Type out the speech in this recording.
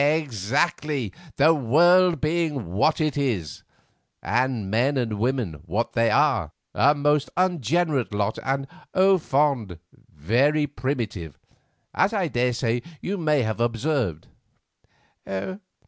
"Exactly; the world being what it is, and men and women what they are, a most unregenerate lot and 'au fond' very primitive, as I daresay you may have observed."